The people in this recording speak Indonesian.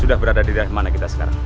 sudah berada di daerah mana kita sekarang